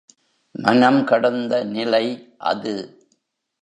மனம் கடந்த நிலை அது.